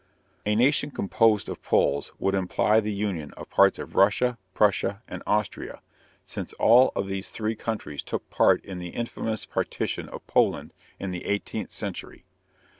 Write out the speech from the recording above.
_ A nation composed of Poles would imply the union of parts of Russia, Prussia, and Austria, since all of these three countries took part in the infamous partition of Poland in the eighteenth century.